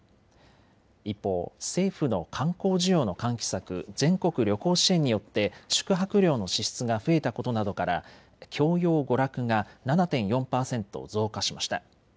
一方、政府の観光需要の喚起策、全国旅行支援によって宿泊料の支出が増えたことなどから教養娯楽が７．４％増加しました。